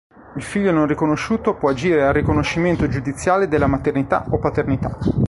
Il figlio non riconosciuto può agire al riconoscimento giudiziale della maternità o paternità.